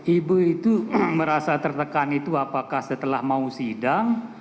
ibu itu merasa tertekan itu apakah setelah mau sidang